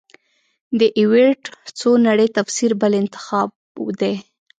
د ایورېټ څو نړۍ تفسیر بل انتخاب دی.